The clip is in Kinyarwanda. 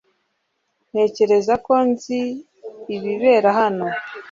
Ntekereza ko nzi ibibera hano